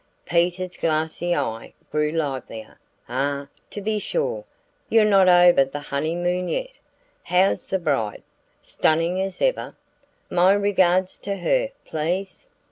Peter's glassy eye grew livelier. "Ah, to be sure you're not over the honeymoon yet. How's the bride? Stunning as ever? My regards to her, please.